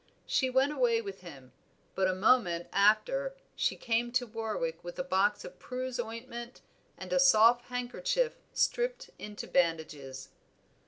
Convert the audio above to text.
She went away with him, but a moment after she came to Warwick with a box of Prue's ointment and a soft handkerchief stripped into bandages.